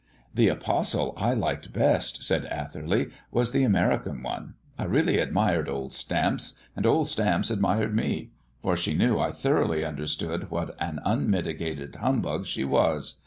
"The apostle I liked best," said Atherley, "was the American one. I really admired old Stamps, and old Stamps admired me; for she knew I thoroughly understood what an unmitigated humbug she was.